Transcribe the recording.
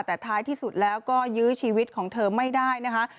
แต่ท้ายที่สุดแล้วก็ยื้อชีวิตของเธอไม่ได้นะคะ